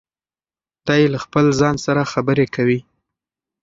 دی له خپل ځان سره خبرې کوي.